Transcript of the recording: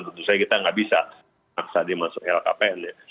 tentu saja kita nggak bisa aksa dimasuk lkpn nya